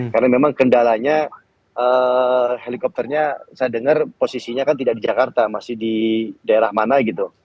karena memang kendalanya helikopternya saya dengar posisinya kan tidak di jakarta masih di daerah mana gitu